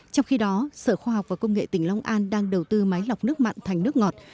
trong khi đó sở khoa học và công nghệ tỉnh long an đang đầu tư máy lọc nước mặn thành nước ngọt